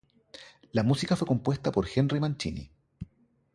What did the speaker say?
La música fue compuesta por Henry Mancini.